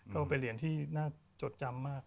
ก็เป็นเหรียญที่น่าจดจำมาก